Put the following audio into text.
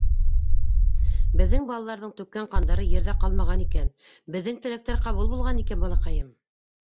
Беҙҙең балаларҙың түккән ҡандары ерҙә ҡалмаған икән, беҙҙең теләктәр ҡабул булған икән, балаҡайым.